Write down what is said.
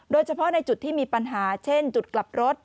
โดยเฉพาะในจุดที่มีปัญหาเช่นจุดกลับรถ